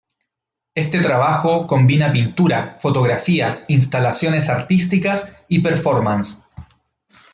Este trabajo combina pintura, fotografía, instalaciones artísticas y perfomance.